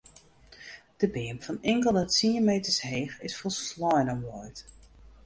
De beam fan inkelde tsientallen meters heech is folslein omwaaid.